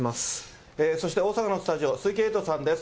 そして大阪のスタジオ、鈴木エイトさんです。